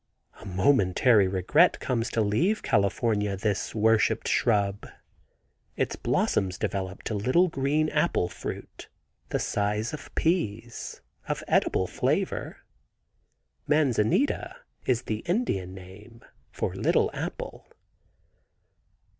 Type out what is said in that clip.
A momentary regret comes to leave in California this worshipped shrub. Its blossoms develop to little green apple fruit, the size of peas, of edible flavor. Manzanita is the Indian name for little apple.